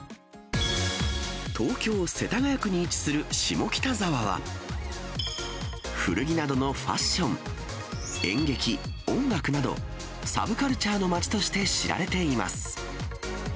東京・世田谷区に位置する下北沢は、古着などのファッション、演劇、音楽など、サブカルチャーの街として知られています。